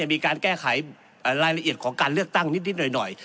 มีการแก้ไขรายละเอียดของการเลือกตั้งนิดหน่อย